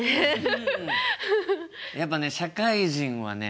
やっぱね社会人はね